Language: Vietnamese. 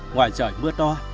ngoài trời mưa to